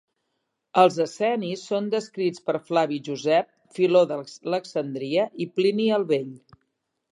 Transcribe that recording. Els essenis són descrits per Flavi Josep, Filó d'Alexandria i Plini el Vell.